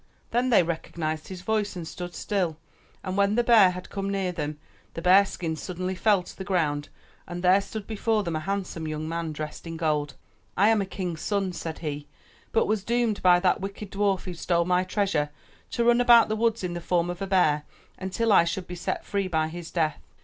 Then they recognized his voice and stood still and when the bear had come near them, the bear skin suddenly fell to the ground and there stood before them a handsome young man dressed in gold. *'I am a king's son/' said he, but was doomed by that wicked dwarf who stole my treasure to run about the woods in the form of a bear until I should be set free by his death.